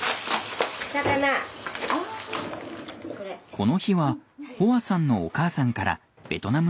この日はホアさんのお母さんからベトナムの食材が届きました。